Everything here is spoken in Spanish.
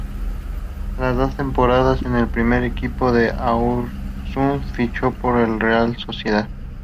Tras dos temporadas en el primer equipo del Oiartzun, fichó por la Real Sociedad.